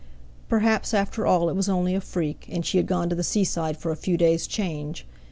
Perhaps after all it was only a freak, and she had gone to the seaside for a few days' change.